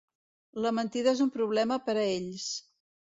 La mentida és un problema per a ells.